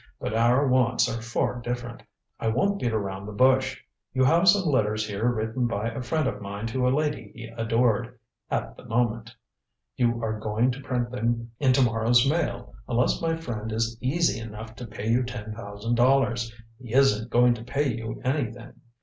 "But our wants are far different. I won't beat around the bush. You have some letters here written by a friend of mine to a lady he adored at the moment. You are going to print them in to morrow's Mail unless my friend is easy enough to pay you ten thousand dollars. He isn't going to pay you anything.